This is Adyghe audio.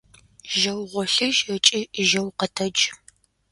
Жьэу гъолъыжь ыкӏи жьэу къэтэдж!